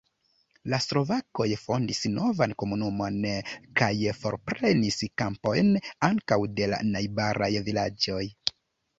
La slovakoj fondis novan komunumon kaj forprenis kampojn ankaŭ de la najbaraj vilaĝoj.